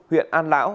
huyện an lão